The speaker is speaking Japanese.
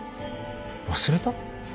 忘れた？